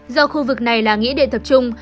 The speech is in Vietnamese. do khu vực này là nghĩa địa thập trung